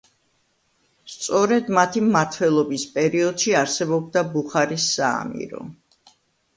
სწორედ მათი მმართველობის პერიოდში არსებობდა ბუხარის საამირო.